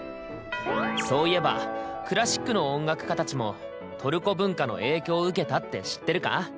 そういえばクラシックの音楽家たちもトルコ文化の影響を受けたって知ってるか？